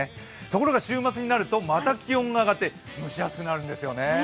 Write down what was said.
ところが週末になると、また気温が上がって蒸し暑くなるんですよね。